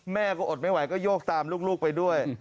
แม่ก็อดไม่ไหวก็โยกตามลูกไปด้วย